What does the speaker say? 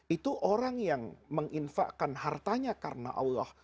itu orang yang menginfakkan hartanya karena allah